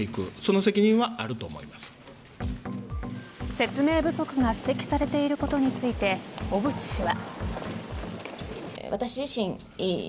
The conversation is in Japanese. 説明不足が指摘されていることについて小渕氏は。